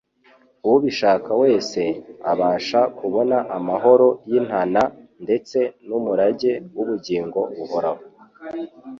"Ubishaka wese" abasha kubona amahoro y'Intana ndetse n'umurage w'ubugingo buhoraho.